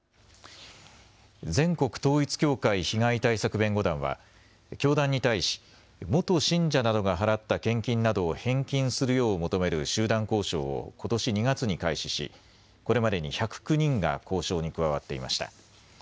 全国統一教会被害対策弁護団は教団に対し元信者などが払った献金などを返金するよう求める集団交渉をことし２月に開始しこれまでに１０９人が交渉に加わっていました。